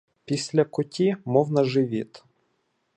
Після куті мов на живіт.